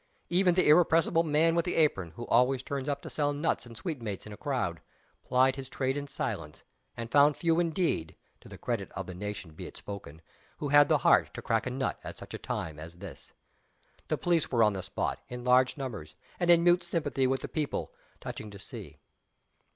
Even the irrepressible man with the apron, who always turns up to sell nuts and sweetmeats in a crowd, plied his trade in silence, and found few indeed (to the credit of the nation be it spoken) who had the heart to crack a nut at such a time as this. The police were on the spot, in large numbers, and in mute sympathy with the people, touching to see.